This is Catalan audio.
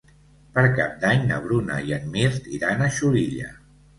Per Cap d'Any na Bruna i en Mirt iran a Xulilla.